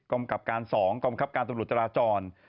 กรรมกรรมการสองกรรมครับการตำรวจจราจร